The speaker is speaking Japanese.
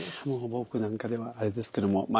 もう僕なんかではあれですけども。